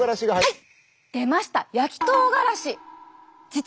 はい！